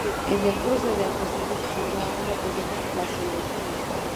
En el cruce entre ambos ejes se sitúa una pequeña plazoleta.